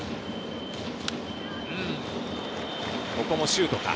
ここもシュートか？